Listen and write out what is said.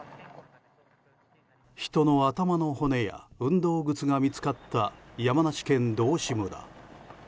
人の頭の骨や運動靴が見つかった山梨県道志村。